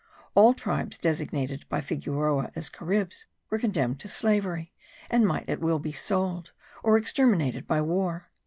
All the tribes designated by Figueroa as Caribs were condemned to slavery; and might at will be sold, or exterminated by war.